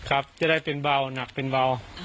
ครับจะได้เป็นเบาหนักเป็นเบา